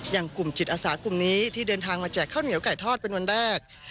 อย่างกลุ่มจิตอาสากลุ่มนี้ที่เดินทางมาแจกข้าวเหนียวไก่ทอดเป็นวันแรก